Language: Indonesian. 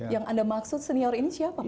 yang anda maksud senior ini siapa